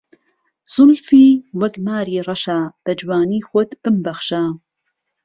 زولفی وهک ماری ڕهشه، به جوانی خۆت بمبهخشه